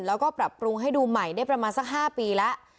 แล้วก็ปรับปรุงให้ดูใหม่ได้ประมาณสัก๕ปีแล้ว